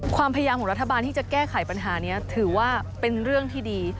ความพยายามของรัฐบาลที่จะแก้ไขปัญหานี้ถือว่าเป็นเรื่องที่ดี